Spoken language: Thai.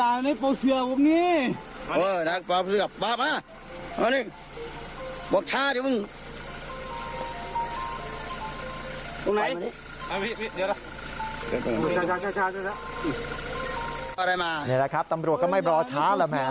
นี่แหละครับตำรวจก็ไม่รอช้าแหละแหม